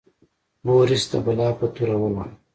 بوریس د بلا په توره وواهه.